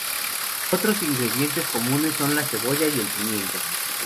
Otros ingredientes comunes son la cebolla y el pimiento.